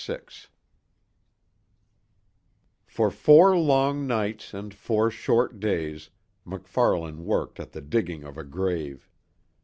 VI For four long nights and four short days MacFarlane worked at the digging of a grave.